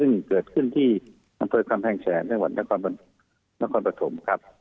ซึ่งเป็นที่คำแพงแชนอย่างหวัดนครปฐม